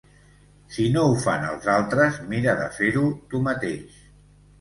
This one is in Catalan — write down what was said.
Si no ho fan els altres, mira de fer-ho tu mateix.